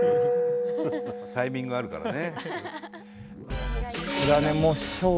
タイミングあるからね。